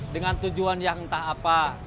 dengan tujuan yang entah apa